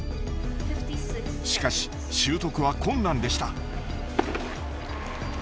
しかし習得は困難でした。